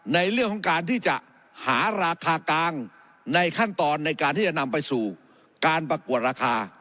ในเรื่องของการที่จะหาราคากลางในขั้นตอนในการที่จะนำไปสู่การประกวดราคา